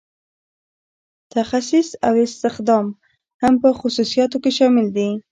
تخصیص او استخدام هم په خصوصیاتو کې شامل دي.